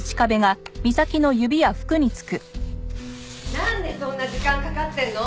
なんでそんな時間かかってるの！？